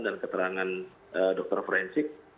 dan keterangan dokter forensik